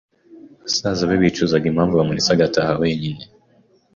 Basaza be bicuzaga impamvu bamuretse agataha wenyine